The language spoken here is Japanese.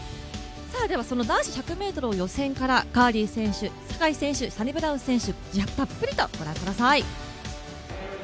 その男子１００ｍを予選からカーリー選手坂井選手、サニブラウン選手をたっぷりとご覧ください。